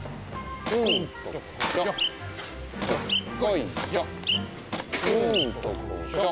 うんとこしょ。